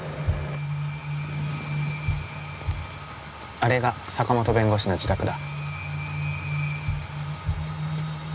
あれが坂本弁護士の自宅だ。